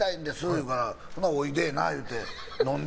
言うからおいでなって言うて飲んで。